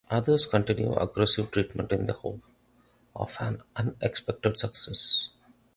Others continue aggressive treatment in the hope of an unexpected success.